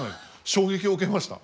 衝撃を受けました。